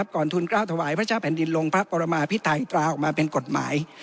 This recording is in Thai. ทุนกล้าวถวายพระเจ้าแผ่นดินลงพระปรมาพิไทยตราออกมาเป็นกฎหมาย